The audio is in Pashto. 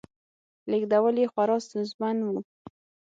لېږدول یې خورا ستونزمن و